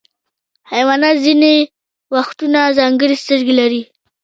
حیوانات ځینې وختونه ځانګړي سترګې لري.